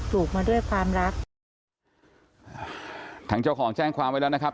ลูกมาด้วยความรักทางเจ้าของแจ้งความไว้แล้วนะครับ